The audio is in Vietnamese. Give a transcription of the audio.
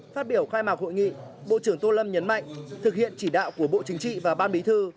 phát biểu khai mạc hội nghị bộ trưởng tô lâm nhấn mạnh thực hiện chỉ đạo của bộ chính trị và ban bí thư